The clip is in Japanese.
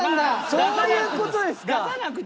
そういう事ですか。